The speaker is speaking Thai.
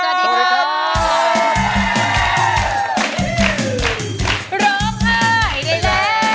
ร้องไห้ไดะละ